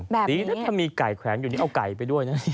แบบนี้นะถ้ามีไก่แขวนอยู่นี่เอาไก่ไปด้วยนะ